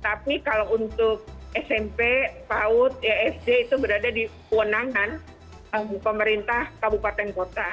tapi kalau untuk smp paud esd itu berada di kewenangan pemerintah kabupaten kota